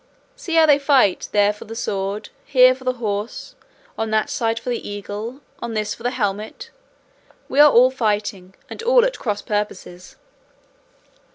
See how they fight, there for the sword, here for the horse, on that side for the eagle, on this for the helmet; we are all fighting, and all at cross purposes.